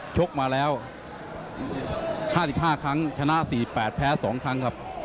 ชกมาแล้ว๕๕ครั้งชนะ๔๘แพ้๒ครั้งครับ